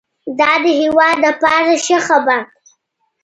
دا د هېواد لپاره ښه خبر دی